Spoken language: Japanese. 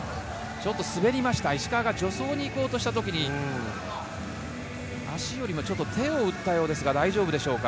滑りました石川が助走にいこうとしたときに、足よりも手を打ったようですが大丈夫でしょうか。